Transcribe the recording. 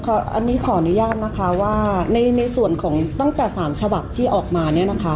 อันนี้ขออนุญาตนะคะว่าในส่วนของตั้งแต่๓ฉบับที่ออกมาเนี่ยนะคะ